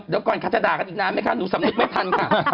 เดี๋ยวก่อนค่ะจะด่ากันอีกนานไหมคะหนูสำนึกไม่ทันค่ะ